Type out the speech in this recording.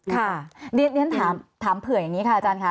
ถามเผื่ออย่างนี้ค่ะอาจารย์ค่ะ